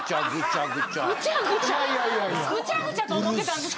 ・ぐちゃぐちゃと思ってたんですか？